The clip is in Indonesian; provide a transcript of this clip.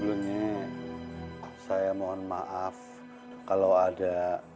juni saya mohon maaf kalau ada